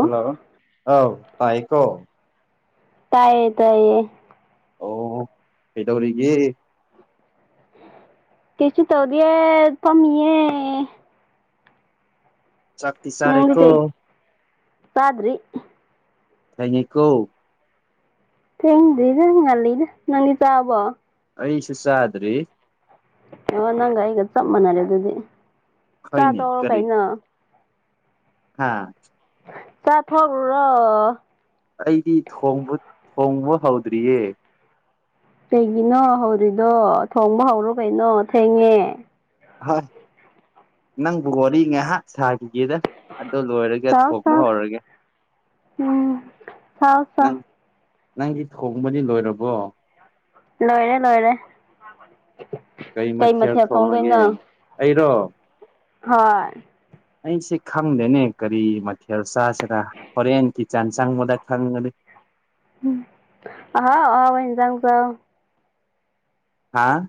hello ꯑꯥꯎ ꯇꯥꯏꯀꯣ ꯇꯥꯏꯌꯦ ꯇꯥꯏꯌꯦ ꯑꯣ ꯍꯩꯇꯧꯔꯤꯒ ꯀꯁꯨ ꯇꯧꯔꯤꯄ ꯃꯤ ꯆꯥꯛꯄꯤ ꯁꯥꯔꯦꯀ ꯇꯥꯗ꯭ꯔꯤ ꯊꯦꯡꯅꯤꯀꯣ ꯊꯦꯡꯗꯔꯤ ꯊꯪꯂꯤꯗ ꯅꯪ ꯆꯕ ꯑꯩ ꯁꯤ ꯆꯗ꯭ꯔꯤ ꯑꯣ ꯅꯪꯒ ꯑꯩꯒ ꯆꯞ ꯃꯥꯟꯅꯔꯦ ꯑꯗꯨꯗꯤ ꯆꯥ ꯍꯣꯏꯅꯦ ꯇꯧꯔ ꯀꯩꯅ ꯍꯥꯥ ꯆꯠ ꯍ꯭ꯔꯣ ꯑꯩꯗꯤ ꯊꯣꯡꯕ ꯍꯧꯗ꯭ꯔꯤꯌꯦ ꯀꯩꯒꯤꯅꯣ ꯍꯧꯔꯤꯗꯣ ꯊꯣꯡꯕ ꯍꯧꯔꯣ ꯀꯩꯅꯣ ꯊꯦꯡꯉꯦ ꯍꯣꯏ ꯅꯪ ꯕꯔꯤꯉꯍ ꯁꯥꯈꯤꯒꯦꯗ ꯑꯗꯨ ꯂꯣꯏꯔꯒꯦ ꯆꯥꯎ ꯊꯣꯡꯕ ꯆꯥꯎ ꯍꯧꯔꯒꯦ ꯎꯝ ꯐꯥꯎꯁ ꯅꯪ ꯅꯪꯒꯤ ꯊꯣꯡꯕꯗꯤ ꯂꯣꯏꯔꯕꯣ ꯂꯣꯏꯔꯦ ꯂꯣꯏꯔꯦ ꯀꯩ ꯃꯊꯦꯜ ꯊꯣꯡꯉꯒꯦ ꯑꯩꯔꯣ ꯍꯣꯏ ꯑꯩꯁꯦ ꯈꯪꯗꯦꯅꯦ ꯀꯔꯤ ꯃꯊꯦꯜ ꯆꯥꯁꯤꯅ ꯍꯣꯔꯦꯟ ꯀ ꯆꯥꯟ ꯆꯪꯕꯗ ꯈꯪꯉꯅꯤ ꯝ ꯑꯥꯎ ꯑꯥꯎ ꯏꯟꯖꯥꯡꯒ ꯍꯥꯥ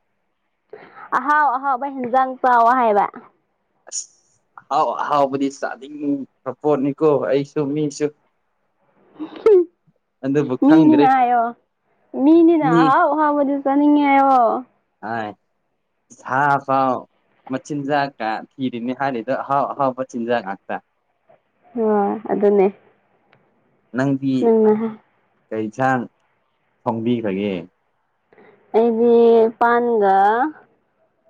ꯑꯍꯥꯎ ꯑꯍꯥꯎꯕ ꯍꯦꯟꯖꯥꯡ ꯆꯥꯎꯋ ꯍꯥꯏꯕ ꯑꯁ ꯍꯥꯎ ꯑꯍꯥꯎꯕꯨꯗꯤ ꯆꯗꯤ ꯐꯄꯣꯅꯤꯀꯣ ꯑꯩꯁꯨ ꯃꯤꯁꯨ ꯑꯗꯨꯕꯨ ꯈꯪꯗ꯭ꯔꯦ ꯃꯤꯅꯤꯅꯣ ꯃꯤꯅꯤꯅ ꯃꯤ ꯑꯣꯍ ꯃꯗꯨ ꯆꯅꯤꯡꯉꯣ ꯁꯥ ꯐꯥꯎ ꯃꯆꯤꯟꯖꯥꯛ ꯀ ꯊꯤꯔꯤꯅꯤ ꯍꯥꯏꯔꯤꯗꯣ ꯑꯍꯥꯎ ꯑꯍꯥꯎꯕ ꯆꯤꯟꯖꯥꯛ ꯍꯥꯏꯥꯛꯇ ꯑ ꯑꯗꯨꯗꯟꯅꯦ ꯅꯪꯅ ꯀꯩꯁꯥꯡ ꯐꯣꯡꯕꯤꯈ꯭ꯔꯒꯦ ꯑꯩꯗꯤ ꯄꯥꯟꯒ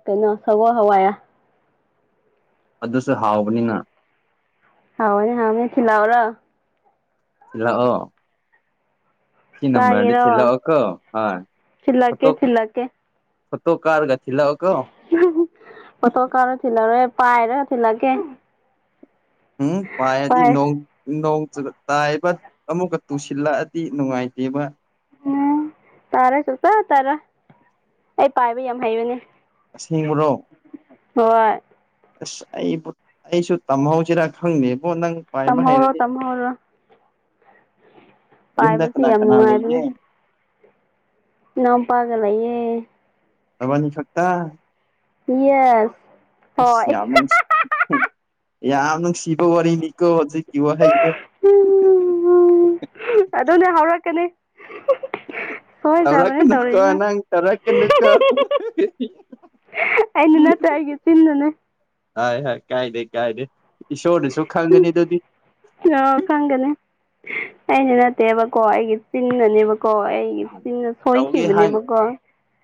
ꯀꯩꯅꯣ ꯁꯒꯣꯜ ꯍꯋꯥꯏꯔ ꯑꯗꯨꯁꯨ ꯍꯥꯎꯕꯅꯤꯅ ꯍꯥꯎꯅꯦ ꯃ ꯈꯂꯔ ꯏꯂꯑꯣ ꯁꯤ ꯆꯥꯒꯦꯔꯣ ꯅꯝꯕꯝꯕꯔꯗꯤꯂꯑꯣꯈꯣ ꯍ ꯊꯤꯜꯂꯛꯀꯦ ꯐꯣꯇꯣ ꯊꯤꯜꯂꯛꯀꯦ ꯐꯇꯣ ꯀꯥꯔꯒ ꯂ ꯐꯇꯀꯥ ꯔ ꯄꯥꯏꯔ ꯂꯒꯦ ꯎꯝ ꯄꯗꯤ ꯅꯧ ꯅꯧ ꯑꯗꯨꯒ ꯇꯥꯏꯕ ꯑꯃꯨꯛꯀ ꯇꯨꯁꯤꯜꯂꯛꯑꯗꯤ ꯅꯨꯡꯉꯥꯏꯇꯦꯕ ꯎꯝ ꯇꯥꯔ ꯆ ꯆꯥ ꯇꯥꯔꯥ ꯑꯩ ꯄꯥꯏꯕ ꯌꯥꯝ ꯍꯩꯕꯅꯦ ꯑꯁꯦꯡꯕꯔꯣ ꯍꯣꯏ ꯑꯁ ꯑꯩꯕꯨ ꯑꯩꯁꯨ ꯇꯝꯍꯧꯁꯤꯔꯥ ꯈꯪꯗꯦꯕꯣ ꯅꯪ ꯄꯥꯏꯕ ꯇꯝꯍꯧꯔꯣ ꯍꯩꯔꯗꯤ ꯇꯝꯍꯧꯔꯣ ꯌꯨꯝꯗ ꯄꯥꯏꯕꯁꯦ ꯀꯅꯥ ꯌꯥꯝ ꯀꯅꯥ ꯅꯨꯡꯉꯥꯏꯕꯅꯦ ꯂꯩꯒꯦ ꯅꯎ ꯄꯥꯒꯂꯌꯦꯦ ꯂꯕꯥꯅꯤ ꯁꯛꯇꯥ ꯌꯦꯁ ꯑꯁ ꯍꯣꯏ ꯌꯥꯝ ꯅꯨꯡꯁꯤ ꯌꯥꯝ ꯅꯨꯡꯁꯤꯕ ꯋꯥꯔꯤꯅꯤꯀꯣ ꯍꯧꯖꯤꯛ ꯑꯗꯨꯗꯅꯦ ꯍꯧꯔꯛꯀꯅꯦ [unintelligible] ꯇꯧꯔꯛ ꯀ ꯅꯨꯀꯣ ꯑꯅꯪ ꯇꯧꯔꯛ ꯀ ꯅꯨꯀ ꯑꯩꯅ ꯅꯠꯇ꯭ꯔ ꯑꯩꯒꯤ ꯆꯤꯟꯗꯨꯅꯦ ꯍꯥꯏ ꯍ ꯀꯥꯏꯗꯦ ꯀꯥꯏꯗꯦ ꯏꯁꯣꯔꯗꯁꯨ ꯈꯪꯒꯅꯤ ꯑꯗꯨꯗꯤ ꯑꯣ ꯈꯪꯒꯅꯤ ꯑꯩꯗꯤ ꯅꯠꯇꯦꯕꯀꯣ ꯑꯩꯒꯤ ꯄꯤꯡꯟꯅꯅꯦꯕ ꯀꯣ ꯑꯩꯒꯤ ꯏꯆꯅ ꯇꯧꯒꯦ ꯍꯥꯏꯅ ꯁꯣꯏꯈꯤꯕꯅꯦꯕꯀꯣ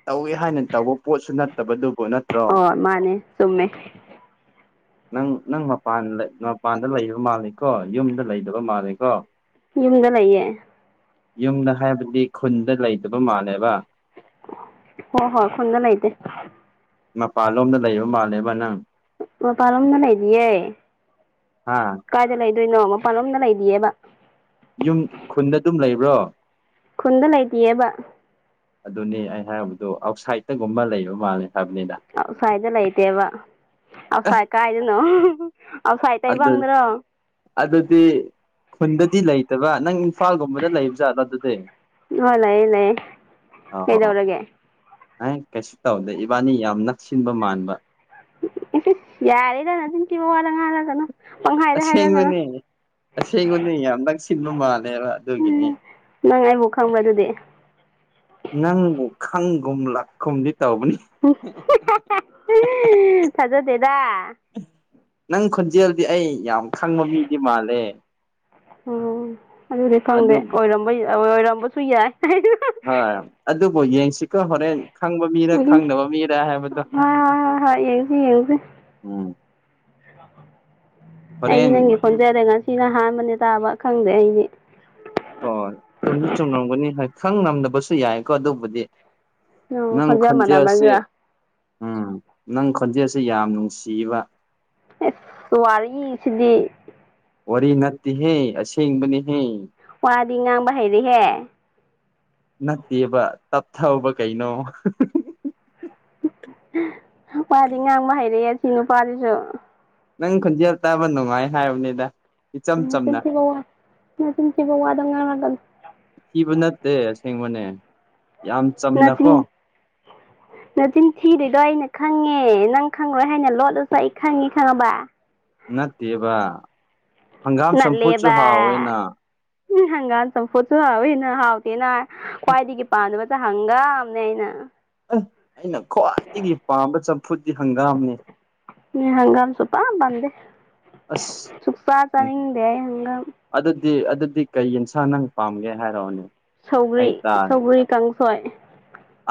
ꯇꯧꯒꯦ ꯍꯥꯏꯅ ꯇꯧꯕ ꯄꯣꯠꯁꯨ ꯅꯠꯇꯕꯗꯨꯕꯨ ꯅꯠꯇ꯭ꯔꯣ ꯍꯣꯏ ꯃꯥꯅꯦ ꯆꯨꯝꯃꯦ ꯅꯪ ꯅꯪ ꯃꯄꯥꯟ ꯃꯄꯥꯟꯗ ꯂꯩꯕ ꯃꯥꯜꯂꯦꯀꯣ ꯌꯨꯝꯗ ꯂꯩꯗꯕ ꯃꯥꯜꯂꯦꯀꯣ ꯌꯨꯝꯗ ꯂꯩꯌꯦ ꯌꯨꯝꯗ ꯍꯥꯏꯕꯗꯤ ꯈꯨꯟꯗ ꯂꯩꯇꯕ ꯃꯥꯜꯂꯦꯕ ꯍ ꯍꯣꯏ ꯈꯨꯟꯅ ꯂꯍꯤꯇꯦ ꯃꯄꯥꯟꯂꯣꯝꯗ ꯂꯩꯕ ꯃꯥꯜꯂꯦꯕ ꯅꯪ ꯃ ꯄꯔꯂꯝꯅ ꯂꯩꯅꯥꯕꯤꯌꯦ ꯑꯥ ꯀꯏꯅꯣ ꯃꯄꯥꯟꯂꯣꯝꯗ ꯂꯩꯔꯤꯑꯕ ꯌꯨꯝ ꯈꯨꯟꯗ ꯑꯗꯨꯝ ꯂꯩꯕ꯭ꯔꯣ ꯈꯨꯟꯗ ꯂꯩꯇꯌꯦꯕ ꯑꯗꯨꯅꯤ ꯑꯩ ꯍꯥꯏꯕꯗꯣ ꯑꯥꯎꯠꯁꯥꯏꯗꯠꯇꯒꯨꯝꯕ ꯂꯩꯕ ꯃꯥꯜꯂꯦ ꯍꯥꯏꯕꯅꯤꯗ ꯑꯁꯥꯏꯗ ꯂꯩꯇꯦꯕ ꯑꯦ ꯑꯁꯥꯏ ꯀꯥꯏꯗꯅꯣ ꯑꯥꯎꯠꯁꯥꯏꯠ ꯑꯗꯨ ꯇꯥꯏꯕꯪꯗꯔꯣ ꯑꯗꯨꯗꯤ ꯈꯨꯟꯗꯗꯤ ꯂꯩꯇꯕ ꯅꯪ ꯏꯝꯐꯥꯜꯒꯨꯝꯕꯗ ꯂꯩꯕ ꯖꯥꯠꯂꯥ ꯑꯗꯨꯗꯤ ꯑꯣ ꯂꯩ ꯂꯩ ꯀꯩꯗꯧꯔꯒꯦ ꯑꯦ ꯀꯩꯁꯨ ꯇꯧꯗꯦ ꯏꯕꯥꯅꯤ ꯌꯥꯝ ꯅꯛꯁꯤꯟꯕ ꯃꯥꯟꯕ ꯌꯥꯔꯗꯅꯖꯤꯤꯟꯇꯤ ꯍꯂꯪ ꯃꯥꯂꯒꯅꯣ ꯑꯁ ꯍꯦꯡ ꯃꯅꯦ ꯑꯁꯤꯁ ꯑꯩꯉꯣꯟꯗ ꯌꯥꯝ ꯅꯛꯁꯤꯟꯕ ꯃꯥꯜꯂꯦꯕ ꯑꯗꯨꯒꯤꯅꯤ ꯕꯨ ꯈꯪꯕ ꯑꯗꯨꯗꯦ ꯅꯪꯕꯨ ꯈꯪꯒꯨꯝ ꯂꯥꯛꯈꯨꯝꯗꯤ ꯇꯧꯕꯅꯤ ꯊꯖꯗꯦꯗ ꯏꯆꯦꯜꯗꯤ ꯑꯩ ꯌꯥꯝ ꯈꯪꯕ ꯃꯤꯗꯤ ꯃꯥꯜꯂꯦ ꯎꯝ ꯑꯗꯨꯗꯤ ꯐꯪꯗꯦ ꯑꯗꯨꯕꯨ ꯑꯣꯏꯔꯝꯕ ꯑꯣꯏꯔꯝꯕꯁꯨ ꯌꯥꯏ ꯍꯣꯏ ꯑꯗꯨꯕꯨ ꯌꯦꯡꯁꯤꯀꯣ ꯍꯣꯔꯦꯟ ꯈꯪꯕ ꯃꯤꯔ ꯈꯪꯅꯕ ꯃꯤꯔꯦ ꯍꯥꯏꯕꯗꯣ ꯍ ꯍ ꯌꯦꯡꯁꯤ ꯌꯦꯡꯉꯁꯤ ꯎꯝ ꯑꯩ ꯍꯣꯔꯦꯟ ꯅꯒ ꯈꯨꯖꯗ ꯉ ꯁꯤꯅ ꯑꯍꯥꯟꯕꯅꯦ ꯇꯥꯕ ꯈꯪꯗꯦ ꯑꯩꯗꯤ ꯍꯣꯏ ꯆꯨꯝꯗꯤ ꯆꯨꯝꯔꯝꯒꯅꯤ ꯍꯣꯏ ꯈꯪ ꯉꯝꯗꯕꯁꯨ ꯌꯥꯏꯀꯣ ꯑꯗꯨꯕꯨꯗꯤ ꯑꯣ ꯅꯪ ꯈꯣꯟꯖꯦꯜ ꯈꯟꯗꯦꯁꯦ ꯃꯥꯟꯅꯕꯒꯤꯔ ꯎꯝ ꯅꯪ ꯈꯗꯤꯦꯁꯦ ꯁ ꯌꯥꯝ ꯅꯨꯡꯁꯤꯕ ꯑꯦ ꯇ ꯋꯥꯔꯤ ꯁꯤꯗꯤ ꯋꯥꯔꯤ ꯅꯠꯇꯦꯍꯦ ꯑꯁꯦꯡꯕꯅꯤꯍꯦ ꯃꯥꯗꯤ ꯉꯥꯡꯕ ꯍꯩꯔꯍꯦ ꯅꯠꯇꯦꯕ ꯇꯞꯊꯧꯕ ꯀꯩꯅꯣ ꯄꯥꯗꯤ ꯉꯥꯡꯕ ꯍꯩꯔꯛꯑꯦ ꯁꯤ ꯅꯨꯄꯥꯗꯨꯁꯨ ꯅꯪ ꯈꯟꯖꯦꯜ ꯇꯥꯕ ꯅꯨꯡꯉꯥꯏ ꯍꯥꯏꯕꯅꯤꯗ ꯏꯆꯝ ꯎꯝ ꯆꯝꯅ ꯇꯁꯤ ꯀꯧꯋꯥ ꯅ ꯇꯁꯤ ꯀꯧꯋꯥꯗ ꯉꯒꯅꯣ ꯁꯦꯡ ꯑꯥꯁꯦꯡꯕꯅꯦ ꯅꯆꯤꯟ ꯅꯆꯤꯟ ꯊꯤꯔꯤꯗꯣ ꯑꯩꯅ ꯈꯪꯉꯦ ꯑꯦ ꯅꯪ ꯈꯪꯉ꯭ꯔꯣꯏ ꯍꯥꯏꯅ ꯂꯣꯠꯂꯁꯨ ꯑꯩ ꯈꯪꯉꯤ ꯈꯪꯉꯕ ꯅꯠꯇꯦꯕ ꯍꯪꯒꯥꯝ ꯆꯝꯐꯨꯠꯁꯨ ꯍꯥꯎꯋꯦꯅ ꯎ ꯍꯪꯒꯥꯥꯟ ꯆꯝꯐꯨꯠꯁꯨ ꯍꯥꯎꯋꯦꯅ ꯍꯥꯎꯇꯦꯅ ꯈ꯭ꯋꯥꯏꯗꯒꯤ ꯄꯥꯗꯕ ꯍꯪꯒꯥꯝꯅꯦꯏꯅ ꯑꯦ ꯑꯩꯅ ꯈ꯭ꯋꯥꯏꯗꯒꯤ ꯄꯥꯝꯕ ꯆꯝꯐꯨꯠꯇꯗꯤꯤ ꯍꯪꯒꯥꯝꯅꯤ ꯃꯤ ꯍꯒꯥꯝ ꯁꯨꯣꯄ ꯄꯗꯦ ꯑꯁ ꯁꯨꯛꯁꯥ ꯆꯅꯤꯡꯗꯦ ꯍꯪꯒꯥꯝ ꯗꯤ ꯑꯗꯨꯗꯤ ꯀꯩ ꯌꯦꯟꯁꯥꯡ ꯅꯪ ꯄꯥꯝꯒꯦ ꯍꯥꯏꯔꯛꯑꯣꯅꯦ ꯁꯧꯒ꯭ꯔꯤ ꯁꯧꯒ꯭ꯔꯤ ꯀꯥꯡꯁꯣꯏ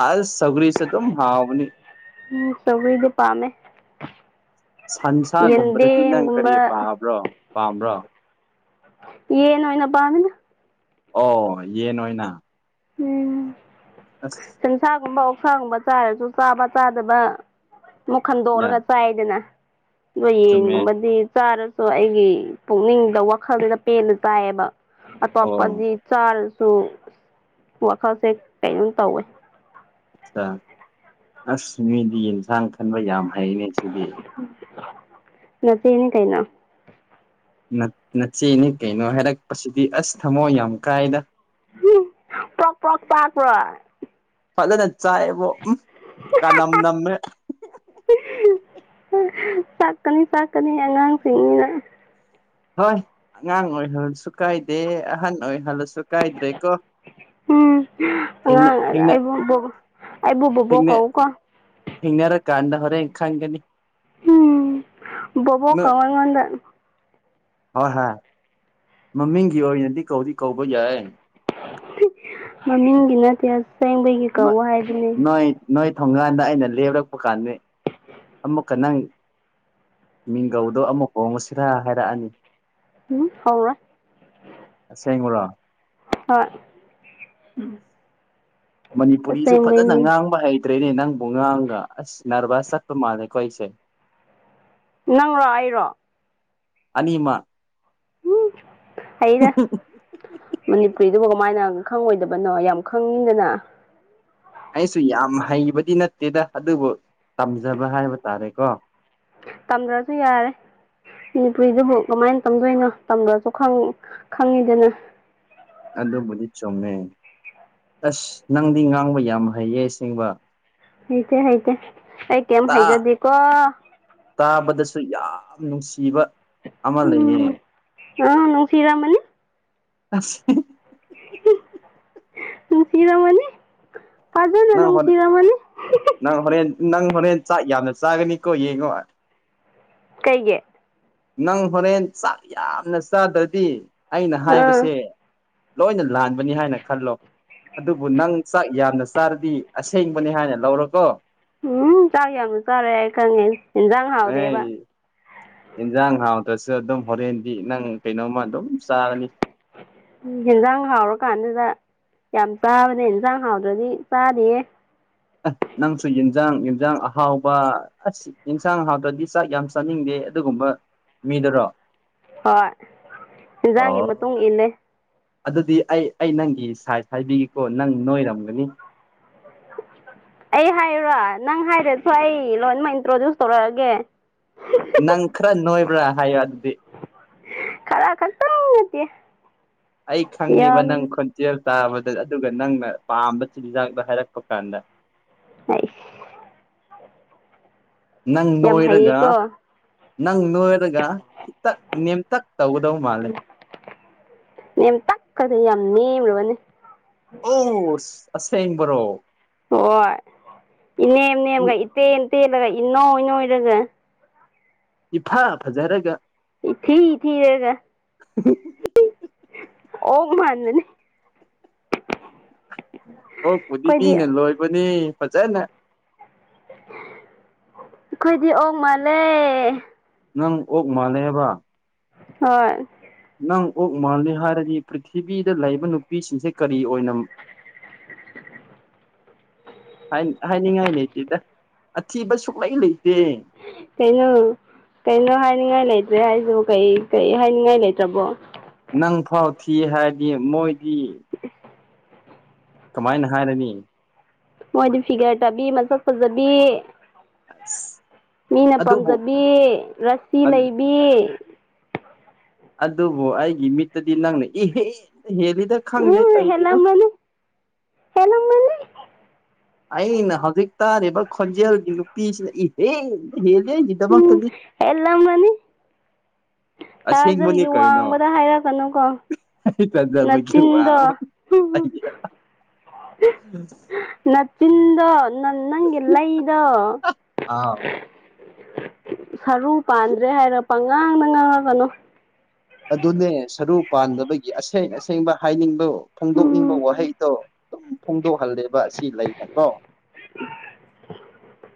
ꯑꯜ ꯁꯒꯔꯤꯁꯦ ꯇꯝ ꯍꯥꯥꯎꯅꯤ ꯎꯝ ꯁꯧ ꯏꯗꯨ ꯄꯥꯝꯃꯦ ꯁꯟꯁꯥꯒꯨꯝꯕꯗꯗꯤ ꯅꯪ ꯀꯔꯤ ꯌꯦꯟꯗꯦꯝꯒꯨꯝꯕ ꯄꯥꯕ꯭ꯔꯣ ꯄꯥꯝꯕ꯭ꯔꯣ ꯌꯦ ꯑꯣꯏꯅ ꯄꯥꯥꯡꯃꯤꯟꯅ ꯑꯣ ꯌꯦꯅ ꯑꯣꯏꯅ ꯎꯝ ꯑꯁ ꯁꯟꯁꯥꯒꯨꯝꯕ ꯁꯪꯕ ꯆꯥꯔꯁꯨ ꯆꯥꯕ ꯆꯥꯗꯕ ꯑꯃꯨꯛ ꯌꯥ ꯈꯟꯗꯣꯛꯑꯒ ꯆꯥꯏꯗꯅ ꯑꯗ ꯆꯨꯝꯃꯦ ꯌꯦꯟꯒꯨꯝꯕꯗꯤ ꯆꯥꯔꯁꯨ ꯑꯩꯒꯤ ꯄꯨꯛꯅꯤꯡꯗ ꯋꯥꯈꯜꯁꯤꯗ ꯄꯦꯟꯅ ꯆꯥꯏꯑꯕ ꯑ ꯑꯣ ꯄꯥꯞꯄꯗꯤ ꯆꯔꯁꯨꯨ ꯋꯥꯈꯜꯁꯦ ꯀꯩꯅꯣꯝ ꯇꯧꯋꯦ ꯑ ꯑꯁ ꯃꯤꯗꯤ ꯌꯦꯟꯁꯥꯡ ꯈꯟꯕ ꯌꯥꯝ ꯍꯩꯅꯦ ꯁꯤꯗꯤ ꯅꯆꯅꯤ ꯀꯥꯏꯅꯣ ꯅꯆꯦꯅꯦ ꯀꯩꯅꯣ ꯍꯥꯏꯔꯛꯄꯁꯤꯗꯤ ꯑꯁ ꯊꯝꯃꯣ ꯌꯥꯝ ꯀꯥꯏꯗ ꯎ ꯄ꯭ꯔꯣꯛ ꯄ꯭ꯔꯣꯛ ꯄ꯭ꯔꯥꯛ ꯄ꯭ꯔ ꯐꯖꯅ ꯆꯥꯏꯑꯕꯣ ꯀꯅꯝ ꯅꯝꯃꯦ ꯁꯀꯅꯤ ꯁꯀꯅꯤ ꯍꯣꯏ ꯑꯉꯥꯡ ꯑꯣꯏꯍꯜꯂꯁꯨ ꯀꯥꯏꯗꯦ ꯑꯍꯟ ꯑꯣꯏꯍꯜꯂꯁꯨ ꯀꯥꯏꯗ꯭ꯔꯦ ꯀꯣ ꯎꯝ ꯑꯉꯥꯡ ꯑꯩꯕꯨꯕ ꯑꯩꯕꯨ ꯕꯣꯕꯣꯛ ꯊꯦꯡꯅ ꯀꯧꯎꯀꯣ ꯊꯦꯡꯅꯔꯀꯥꯟꯗ ꯍꯣꯔꯦꯟ ꯈꯪꯒꯅꯤ ꯎꯝ ꯕ ꯅꯣꯏ ꯀꯋꯥꯏ ꯉꯣꯟꯗ ꯍꯣꯏ ꯍꯣꯏ ꯃꯃꯤꯡꯒꯤ ꯑꯣꯏꯅꯗꯤ ꯀꯧꯗꯤ ꯀꯧꯕ ꯌꯥꯏ ꯃꯃꯤꯡꯒꯤ ꯅꯠꯇꯦ ꯑꯁꯦꯡꯕꯩꯒꯤ ꯀ ꯍꯥꯏꯗꯨꯅꯦ ꯊꯧꯀꯥꯟꯗ ꯑꯩꯅ ꯂꯦꯞꯔꯛꯄ ꯀꯥꯟꯗ ꯑꯃꯨꯛꯀ ꯅꯪ ꯃꯤꯡꯒꯧꯗꯣ ꯑꯃꯨꯛ ꯍꯣꯡꯉꯨꯁꯤꯔꯥ ꯍꯥꯏꯔꯛꯑꯅꯤ ꯎꯝ ꯍꯥꯎ꯭ꯔ ꯑꯁꯦꯡꯕꯔꯣ ꯍꯣꯏ ꯎꯝ ꯃꯅꯤꯄꯨꯔꯤꯁꯨ ꯐꯖꯅ ꯉꯥꯡꯕ ꯍꯥꯏ ꯠꯇ꯭ꯔꯤꯅꯦ ꯅꯪꯕꯨ ꯉꯥꯡꯒ ꯑꯁ ꯅꯔꯚꯁ ꯆꯠꯄ ꯃꯥꯜꯂꯦꯀꯣ ꯑꯩꯁꯦ ꯅꯪꯔꯣ ꯑꯩꯔꯣ ꯑꯅꯤꯃꯥꯟ ꯎꯝ ꯑꯩꯅ ꯃꯅꯤꯄꯨꯔꯤꯗꯨꯕꯨ ꯀꯃꯥꯏꯅ ꯈꯪꯉꯣꯏꯗꯕꯅꯣ ꯌꯥꯝ ꯈꯪꯉꯤꯗꯅ ꯑꯩꯁꯨ ꯌꯥꯝ ꯍꯩꯕꯗꯤ ꯅꯠꯇꯦꯗ ꯑꯗꯨꯕꯨ ꯇꯝꯖꯕ ꯍꯥꯏꯕ ꯇꯥꯔꯦꯀꯣ ꯇꯝꯗ꯭ꯔꯁꯨ ꯌꯥꯔꯦ ꯃꯅꯤꯄꯨꯔꯤꯗꯕꯨ ꯀꯃꯥꯏꯅ ꯇꯝꯗꯣꯏꯅꯣ ꯇꯝꯕꯁꯨ ꯈꯪꯉꯤꯗꯅ ꯑꯗꯨꯗ ꯃꯗꯤ ꯆꯣꯃꯦ ꯑꯁ ꯅꯪꯗꯤ ꯉꯥꯡꯕ ꯌꯥꯝ ꯍꯩꯌꯦ ꯆꯦꯡꯕ ꯍꯇꯦ ꯍꯩꯇꯦ ꯑꯩ ꯀꯩꯝ ꯇꯥ ꯍꯥꯏꯩꯖꯗꯦꯀꯣ ꯇꯥꯕꯗꯁꯨ ꯌꯥꯝ ꯅꯨꯡꯁꯤꯕ ꯑꯃ ꯂꯩꯌꯦ ꯎꯅꯅꯨꯡ ꯁꯤꯔꯃꯅꯤ ꯑꯁꯦ ꯁꯤꯔꯃꯅꯤ ꯄꯖꯅꯦ ꯅꯪ ꯑꯗꯨ ꯍꯣꯔꯦꯟ ꯁꯤꯔꯃꯅꯤ ꯅꯪ ꯍꯣꯔꯦꯟ ꯅꯪ ꯍꯣꯔꯦꯟ ꯆꯥꯛ ꯌꯥꯝꯅ ꯆꯥꯒꯅꯤꯀꯣ ꯌꯦꯡꯉꯣ ꯀꯩꯒꯦ ꯅꯪ ꯍꯣꯔꯦꯟ ꯆꯥꯛ ꯌꯥꯝꯅ ꯆꯥꯗ꯭ꯔꯗꯤ ꯑꯩꯅ ꯑꯥ ꯍꯥꯏꯕꯁꯦ ꯂꯣꯏꯅ ꯂꯥꯟꯕꯅꯤ ꯍꯥꯏꯅ ꯈꯜꯂꯣ ꯑꯗꯨꯕꯨ ꯅꯪ ꯆꯥꯛ ꯌꯥꯝꯅ ꯆꯥꯔꯗꯤ ꯑꯁꯦꯡꯕꯅꯤ ꯍꯥꯏꯅ ꯂꯧꯔꯣꯀꯣ ꯎꯝ ꯆꯥꯛ ꯌꯥꯝꯅ ꯆꯥꯔꯦ ꯑꯩ ꯈꯪꯉꯦ ꯏꯟꯖꯥꯡ ꯍꯥꯎꯗꯦꯕ ꯌꯦꯟꯖꯥꯡ ꯍꯥꯎꯗ꯭ꯔꯁꯨ ꯑꯗꯨꯝ ꯍꯣꯔꯦꯟꯗꯤ ꯅꯪ ꯀꯩꯅꯣꯝꯃ ꯑꯗꯨꯝ ꯆꯥꯔꯅꯤ ꯎ ꯌꯦꯟꯖꯥꯡ ꯍꯥꯎꯔꯀꯥꯟꯗꯨꯗ ꯌꯥꯝ ꯆꯥꯕꯅꯦ ꯏꯟꯁꯥꯡ ꯍꯥꯎꯗ꯭ꯔꯗꯤ ꯆꯥꯗꯌꯦ ꯑ ꯅꯪꯁꯨ ꯌꯦꯟꯁꯥꯡ ꯌꯦꯟꯁꯥꯡ ꯑꯍꯥꯎꯕ ꯑꯁ ꯌꯦꯟꯁꯥꯡ ꯑꯍꯥꯎꯗ꯭ꯔꯗꯤ ꯆꯥꯛ ꯌꯥꯝ ꯆꯥꯅꯤꯡꯗꯦ ꯑꯗꯨꯒꯨꯝꯕ ꯃꯤꯗꯨꯔꯣ ꯍꯣꯏ ꯏꯟꯖꯥꯡꯒꯤ ꯃꯇꯨꯡ ꯏꯜꯂꯦ ꯑꯗꯨꯗꯤ ꯑꯩ ꯑꯩ ꯅꯪꯒꯤ ꯁꯥꯏꯖ ꯍꯥꯏꯕꯤꯒꯦꯀꯣ ꯅꯪ ꯅꯣꯏꯔꯝꯒꯅꯤ [unintelligible] ꯑꯩ ꯍꯥꯏꯔꯣ ꯅꯪ ꯍꯥꯏꯔ ꯊ ꯑꯩ ꯂꯣꯟꯃꯛ ꯏꯟꯇ꯭ꯔꯣꯗ꯭ꯨꯁ ꯇꯧꯔꯛꯑꯒꯦ ꯅꯪ ꯈꯔ ꯅꯣꯏꯕ꯭ꯔꯥ ꯍꯥꯏꯌꯣ ꯑꯗꯨꯗꯤ ꯈꯔ ꯀꯁꯗꯤ ꯑꯩ ꯈꯪꯉꯤꯕ ꯅꯪ ꯈꯣꯟꯇꯦꯜ ꯇꯥꯕꯗ ꯑꯗꯨꯒ ꯅꯪꯅ ꯄꯥꯝꯕ ꯆꯤꯟꯖꯥꯛꯗꯣ ꯍꯥꯏꯔꯛꯄ ꯀꯥꯟꯗ ꯑ ꯅꯪ ꯅꯣꯏꯔꯒ ꯅꯪ ꯅꯣꯏꯔꯒ ꯍꯇꯛ ꯅꯦꯝꯇꯛ ꯇꯧꯒꯗꯧ ꯃꯥꯜꯂꯦ ꯅ ꯇꯛꯀꯗꯤ ꯌꯥꯝ ꯅꯦꯝꯂꯨꯕꯅꯤ ꯑꯣ ꯑꯁꯦꯡ ꯔꯣ ꯍꯣꯏ ꯏꯅꯦꯝ ꯅꯦꯝꯒ ꯏꯇꯦꯟ ꯇꯦꯜꯂꯒ ꯏꯅꯧ ꯅꯣꯏꯔꯒ ꯏꯐ ꯐꯖꯔꯒ ꯏ ꯊ ꯏ ꯊꯤ ꯔꯒ ꯑꯣ ꯃꯥꯟꯗꯅꯤ ꯑꯣ ꯀꯨꯗꯤꯗꯤ ꯂꯣꯏꯕꯨꯅꯤ ꯐꯖꯅꯦ ꯑꯩꯈꯣꯏꯗꯤ ꯑꯣꯛ ꯃꯥꯜꯂꯦ ꯅꯪ ꯑꯣꯛ ꯃꯥꯜꯂꯦꯕ ꯍꯣꯏ ꯅꯪ ꯑꯣꯛ ꯃꯥꯜꯂꯤ ꯍꯥꯏꯔꯗꯤ ꯄ꯭ꯔꯤꯊꯤꯕꯤꯗ ꯂꯩꯕ ꯅꯨꯄꯤꯁꯤꯡꯁꯦ ꯀꯔꯤ ꯑꯣꯏꯅ [unintelligible] ꯍꯥꯏꯅꯤꯡꯉꯥꯏ ꯂꯩꯇꯦꯗ ꯑꯊꯤꯕ ꯁꯨꯛꯂꯩ ꯂꯩꯇꯦ ꯀꯩꯅꯩꯅꯣ ꯀꯩꯅꯣ ꯍꯥꯏꯅꯤꯡꯉꯥꯏ ꯂꯩꯇ꯭ꯔꯦ ꯑꯩꯁꯨ ꯀꯩ ꯀꯔꯤ ꯍꯥꯏꯅꯤꯡꯉꯥꯏ ꯂꯩꯇ꯭ꯔꯕꯣ ꯅꯪ ꯐꯥꯎ ꯊꯤ ꯍꯥꯏꯔꯗꯤ ꯃꯣꯏꯗꯤ ꯀꯃꯥꯏꯅ ꯍꯥꯏꯔꯅꯤ ꯃꯣꯏꯗꯤ ꯐꯤꯒꯔ ꯇꯥꯕꯤ ꯃꯁꯛ ꯐꯖꯕꯤ ꯑꯁ ꯃꯤꯅ ꯑꯗꯨꯕꯨ ꯄꯥꯝꯖꯕꯤ ꯔꯁꯤ ꯂꯩꯕꯤ ꯑꯗꯨꯕꯨ ꯑꯩꯒꯤ ꯃꯤꯠꯇꯗꯤ ꯅꯪꯅ ꯏ ꯍꯦꯜꯂꯤꯗ ꯈꯥꯡꯒ ꯂꯩ ꯎꯝ ꯀꯥꯏꯒꯤ ꯅ ꯍꯦꯜꯂꯝꯃꯅꯤ ꯍꯦꯜꯂꯝꯃꯅꯤ ꯑꯩꯅ ꯍꯧꯖꯤꯛ ꯇꯥꯔꯤꯕ ꯈꯣꯟꯖꯦꯜꯒꯤ ꯅꯨꯄꯤꯁꯤꯅ ꯏꯍꯦ ꯂꯩ ꯗ ꯃ ꯎꯝ ꯀꯗꯤ ꯍꯦꯜꯂꯝꯃꯅꯤ ꯊꯥꯖꯕꯤꯒꯤ ꯋꯥꯡꯕꯗ ꯍꯥꯏꯔꯛꯀꯅꯨꯀꯣ ꯑꯩ ꯇꯟꯖꯕꯒꯤ ꯋꯥ ꯑꯃ ꯅꯅꯥꯆꯤꯡꯗ ꯆꯤꯟꯗꯣ ꯅꯪ ꯅꯪꯒꯤ ꯂꯩꯗꯣ ꯑꯥꯎ ꯁꯔꯨ ꯄꯥꯟꯗ꯭ꯔꯦ ꯍꯥꯏꯔ ꯄꯉꯥꯡꯅ ꯉꯥꯡꯉꯒꯅꯨ ꯑꯗꯨꯅꯦ ꯁꯔꯨ ꯄꯥꯟꯗꯕꯒꯤ ꯑꯁꯦꯡ ꯑꯁꯦꯡꯕ ꯍꯥꯏꯅꯤꯡꯕ ꯐꯣꯡꯗꯣꯛꯅꯤꯡꯕ ꯋꯥꯍꯩꯗꯣ ꯑꯗꯨꯝ ꯐꯣꯡꯗꯣꯛꯍꯜꯂꯦꯕ ꯑꯁꯤ ꯂꯩꯅꯦꯀꯣ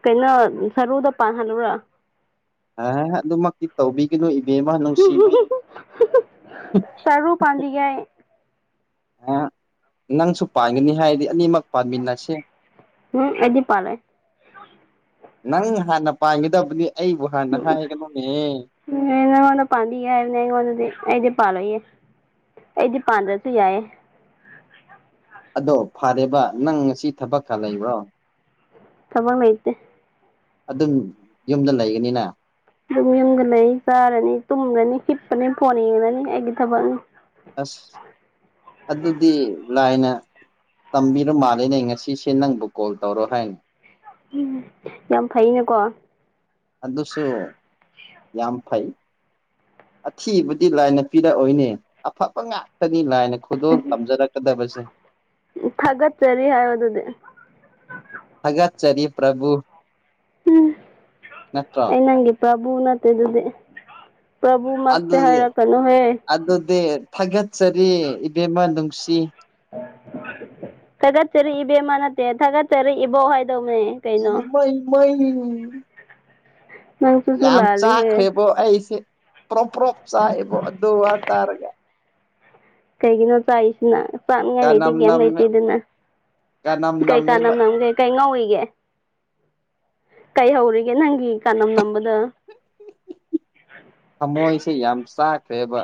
ꯀꯩꯅꯣ ꯁꯔꯨꯗ ꯄꯥꯟꯍꯜꯂꯨꯔ ꯑꯗꯨꯃꯛꯇꯤ ꯇꯧꯕꯤꯒꯅꯨ ꯃ ꯅꯅꯨꯡꯁꯤꯕꯤ ꯁꯔꯨ ꯄꯥꯟꯕꯤꯒꯦ ꯑꯩ ꯑ ꯅꯪꯁꯨ ꯄꯥꯟꯒꯅꯤ ꯍꯥꯏꯔꯗꯤ ꯑꯅꯤꯃꯛ ꯄꯥꯟꯃꯤꯟꯅꯁꯦ ꯎꯝ ꯑꯦꯗꯤ ꯄꯔꯦ ꯄꯥꯡꯉꯤꯗꯕꯅꯤ ꯎꯝꯅ ꯋꯥꯅ ꯄꯥꯗ ꯍꯥꯏꯅ ꯋꯥꯅꯗꯤ ꯑꯩꯗꯤ ꯄꯥꯜꯂꯣꯏꯌꯦ ꯑꯩꯗꯤ ꯄꯥꯟꯗ꯭ꯔꯁꯨ ꯌꯥꯏꯌꯦ ꯑꯗꯣ ꯐꯔꯦꯕ ꯅꯪ ꯉꯁꯤ ꯊꯕꯛ ꯈꯔ ꯂꯩꯕ꯭ꯔꯣ ꯊꯃꯥꯡ ꯂꯩꯇꯦ ꯑꯗꯨꯝ ꯌꯨꯝꯗ ꯂꯩꯒꯅꯤꯅ ꯑꯗꯨꯝ ꯌꯨꯝꯒ ꯂꯩ ꯆꯥꯔꯅꯤ ꯇꯨꯝꯂꯅꯤ ꯀꯤꯞꯄꯅꯤ ꯐꯣꯟ ꯌꯦꯡꯉꯅꯤ ꯑꯩꯒꯤ ꯊꯕꯛꯅꯤ ꯑꯁ ꯑꯗꯨꯗꯤ ꯂꯥꯏꯅ ꯇꯝꯕꯤꯔꯣ ꯃꯥꯜꯂꯦꯅꯦ ꯉꯁꯤꯁꯦ ꯅꯪꯕꯨ ꯀꯣꯜ ꯇꯧꯔꯣ ꯍꯥꯏꯅ ꯎꯝ ꯌꯥꯝ ꯐꯩꯅꯦꯀꯣ ꯑꯗꯨꯁꯨ ꯌꯥꯝ ꯐꯩ ꯑꯊꯤꯕꯗꯤ ꯂꯥꯏꯅ ꯄꯤꯔꯛꯑꯣꯏꯅꯦ ꯑꯐꯕ ꯉꯥꯛꯇꯅꯤ ꯂꯥꯏꯅ ꯈꯨꯗꯣꯜ ꯇꯝꯖꯔꯛꯀꯗꯕꯁꯦ ꯊꯥꯒꯠꯆꯔꯤ ꯍꯥꯏ ꯑꯗꯨꯗꯤ ꯐꯒꯠꯆꯔꯤ ꯄ꯭ꯔꯚꯨ ꯅꯠꯇ꯭ꯔꯣ ꯄꯕꯨꯅꯠꯇ ꯑꯗꯨꯗꯤ ꯄ꯭ꯔꯚꯨꯃꯛꯇꯤ ꯑꯗꯨꯗꯤ ꯍꯥꯏꯔꯛꯀꯅꯨꯍꯦ ꯑꯗꯨꯗꯤꯦ ꯊꯒꯠ ꯁꯔꯤ ꯏꯕꯦꯝꯃ ꯅꯨꯡꯁꯤ ꯊꯒꯠꯆꯔꯤ ꯏꯕꯦꯝ ꯃꯥ ꯅꯠꯇꯦ ꯊꯒꯠꯆꯔꯤ ꯏꯕꯣ ꯍꯥꯏ ꯏꯃꯩ ꯃꯩ ꯅꯪꯁꯤꯁꯨ ꯌꯥꯝ ꯂꯥꯜꯂꯤꯍꯦ ꯆꯥꯈ꯭ꯔꯦꯕꯣ ꯑꯩꯁꯦ ꯄꯣꯄ꯭ꯔꯞ ꯆꯥꯏꯕ ꯑꯗꯨ ꯋꯥ ꯇꯔꯒ ꯀꯩꯒꯤꯅ ꯆꯥꯏꯁꯤꯅꯥ ꯆꯥꯛꯅꯤꯡꯉꯥꯏ ꯂꯩꯇꯦ ꯀꯅꯝ ꯀꯩꯝ ꯅꯝꯃꯦ ꯂꯩꯇꯦꯗꯅ ꯀꯅꯝ ꯀꯩ ꯀꯥꯟꯅ ꯅꯝꯃꯦꯕ ꯅꯒꯦ ꯀꯩ ꯉꯧꯏꯒꯦ ꯀꯩ ꯍꯧꯔꯤꯒꯦ ꯅꯪꯒꯤ ꯀꯅꯝ ꯅꯝꯕꯗ ꯊꯃꯣꯏꯁꯦ ꯌꯥꯝ ꯆꯥꯈ꯭ꯔꯦꯕ